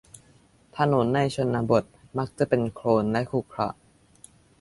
ถนนในชนบทมักจะเป็นโคลนและขรุขระ